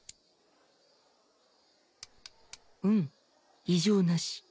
うん異常なし。